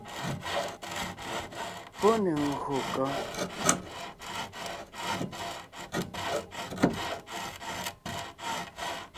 Pɔ́ ne ngÿô kɔ́?